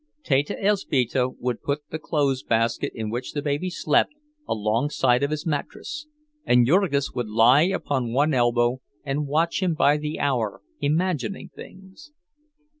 Teta Elzbieta would put the clothes basket in which the baby slept alongside of his mattress, and Jurgis would lie upon one elbow and watch him by the hour, imagining things.